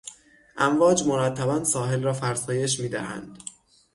امواج مرتبا ساحل را فرسایش میدهند.